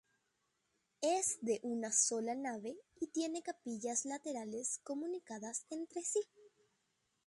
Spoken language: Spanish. Es de una sola nave y tiene capillas laterales comunicadas entre sí.